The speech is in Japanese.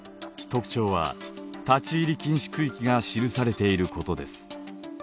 特徴は立ち入り禁止区域が記されていることです。